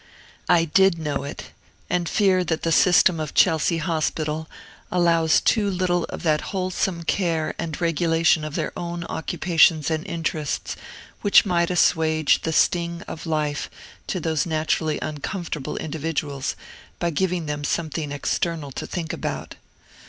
I did know it, and fear that the system of Chelsea Hospital allows too little of that wholesome care and regulation of their own occupations and interests which might assuage the sting of life to those naturally uncomfortable individuals by giving them something external to think about.